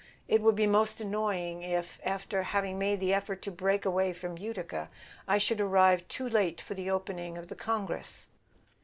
It would be most annoying if, after having made the effort to break away from Utica, I should arrive too late for the opening of the Congress."